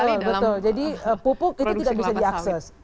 produksi kelapa saling betul betul jadi pupuk itu tidak bisa diakses